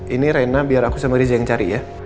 ini reina biar aku sama riza yang cari ya